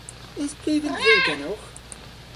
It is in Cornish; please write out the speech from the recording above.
Eus pluven dhu genowgh?